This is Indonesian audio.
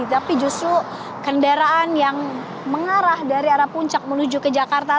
tapi justru kendaraan yang mengarah dari arah puncak menuju ke jakarta